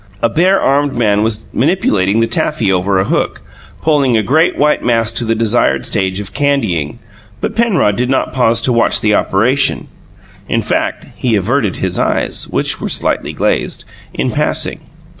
A bare armed man was manipulating the taffy over a hook, pulling a great white mass to the desired stage of "candying," but Penrod did not pause to watch the operation; in fact, he averted his eyes (which were slightly glazed) in passing.